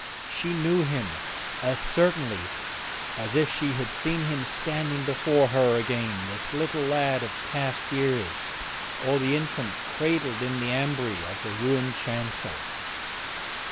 She knew him as certainly as if she had seen him standing before her again, the little lad of past years, or the infant cradled in the ambry of the ruined chancel.